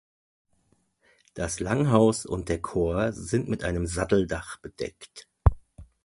Das Langhaus und der Chor sind mit einem Satteldach bedeckt.